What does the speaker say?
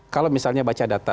kalau misalnya baca data